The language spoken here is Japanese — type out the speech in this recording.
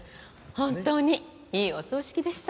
本当にいいお葬式でした。